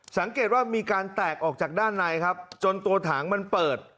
สังเกตว่ามีการแตกออกจากด้านในครับจนตัวถังมันเปิด